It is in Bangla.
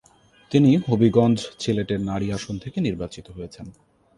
তিনি হবিগঞ্জ-সিলেটের নারী আসন থেকে নির্বাচিত হয়েছেন।